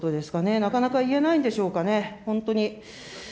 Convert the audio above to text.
なかなか言えないんでしょうかね、本当に。